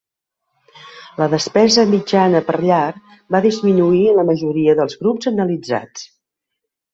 La despesa mitjana per llar va disminuir en la majoria dels grups analitzats.